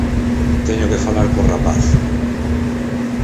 Teño que falar co rapaz.